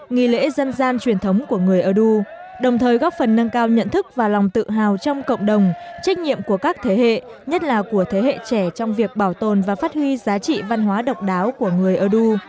nghi lễ dân gian truyền thống của người ơ đu đồng thời góp phần nâng cao nhận thức và lòng tự hào trong cộng đồng trách nhiệm của các thế hệ nhất là của thế hệ trẻ trong việc bảo tồn và phát huy giá trị văn hóa độc đáo của người ơ đu